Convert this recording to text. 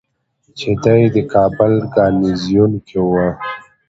چې دی د کابل ګارنیزیون کې ؤ